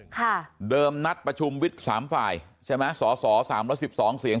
ค่ะเดิมนัดประชุมวิทย์สามฝ่ายใช่ไหมสอสอสามร้อยสิบสองเสียง